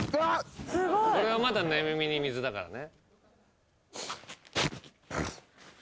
これはまだ寝耳に水だからね。